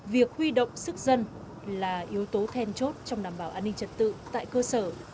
việc huy động sức dân là yếu tố then chốt trong đảm bảo an ninh trật tự tại cơ sở